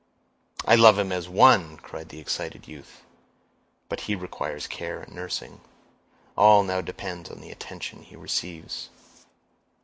"I love him as one," cried the excited youth. "But he requires care and nursing; all now depends on the attention he receives."